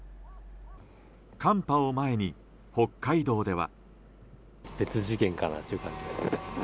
寒波を前に、北海道では。